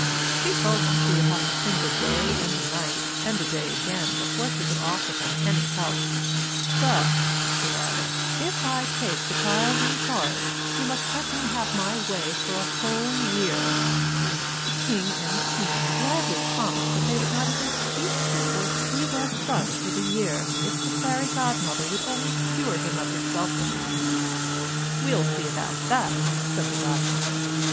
She told them she would have to think a day and a night and a day again before she could offer them any help. "But," added she, "if I take the child in charge, you must let me have my way for a whole year." The king and queen gladly promised that they would not even speak to or see their son for the year if the fairy godmother would only cure him of his selfishness. "We'll see about that," said the godmother.